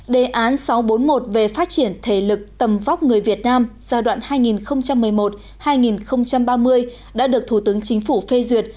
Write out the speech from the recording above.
đề án sáu trăm bốn mươi một về phát triển thể lực tầm vóc người việt nam giai đoạn hai nghìn một mươi một hai nghìn ba mươi đã được thủ tướng chính phủ phê duyệt